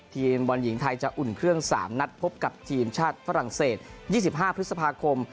ทีมบอลหญิงไทยจะอุ่นเครื่อง๓นัดพบกับทีมชาติฝรั่งเศส๒๕พฤษภาคม